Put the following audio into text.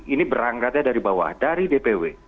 ini berangkatnya dari bawah dari dpw